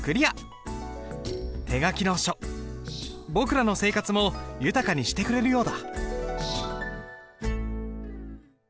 手書きの書僕らの生活も豊かにしてくれるようだ。